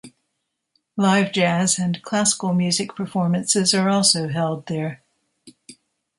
Live jazz and classical music performances are also held there.